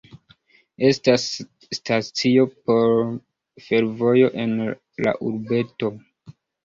Estas stacio por fervojo en la urbeto.